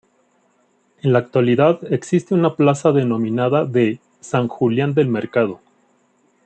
En la actualidad existe una plaza denominada de "San Julián del Mercado".